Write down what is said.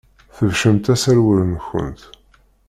Tbeccemt aserwal-nkent.